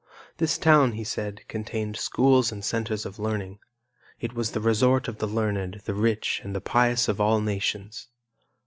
This town, he said, contained schools and centers of learning. It was the resort of the learned, the rich, and the pious of all nations.